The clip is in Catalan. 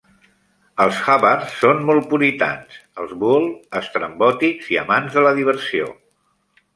Els Hubbard són molt puritans, els Buell estrambòtics i amants de la diversió.